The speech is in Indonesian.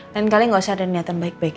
lain kali gak usah ada niatan baik baik